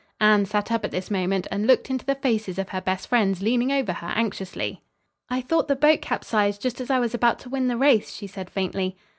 Anne sat up at this moment, and looked into the faces of her best friends leaning over her anxiously. "I thought the boat capsized just as I was about to win the race," she said faintly.